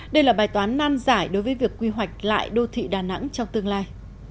đây là bài toán nan giải đối với việc quy hoạch lại đô thị đà nẵng trong tương lai